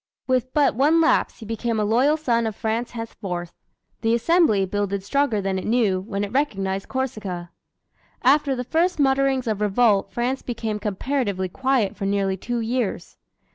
With but one lapse, he became a loyal son of France henceforth. The Assembly, builded stronger than it knew, when it recognized Corsica! After the first mutterings of revolt France became comparatively quiet for nearly two years.